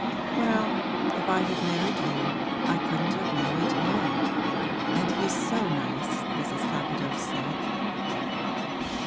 'Well, if I had married you I couldn't have married him and he's so nice,' Mrs. Capadose said.